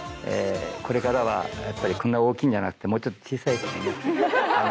これからはやっぱりこんな大きいのじゃなくてもうちょっと小さいやつでね。